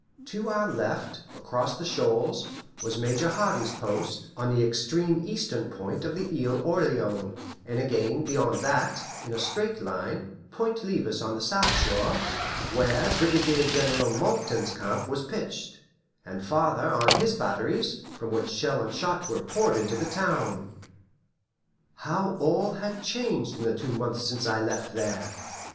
To our left, across the shoals, was Major Hardy's post, on the extreme eastern point of the Isle Orleans; and again beyond that, in a straight line, Point Levis on the south shore, where Brigadier General Monckton's camp was pitched; and farther on his batteries, from which shell and shot were poured into the town. How all had changed in the two months since I left there!